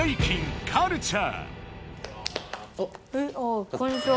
あっこんにちは。